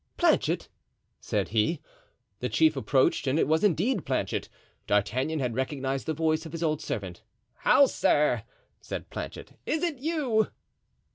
Planchet," said he. The chief approached, and it was indeed Planchet; D'Artagnan had recognized the voice of his old servant. "How, sir!" said Planchet, "is it you?"